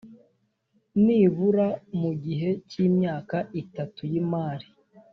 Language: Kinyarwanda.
nibura mu gihe cy imyaka itatu y imari